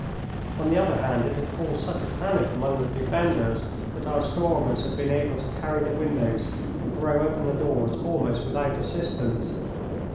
On the other hand, it had caused such a panic among the defenders that our stormers had been able to carry the windows and throw open the doors almost without assistance.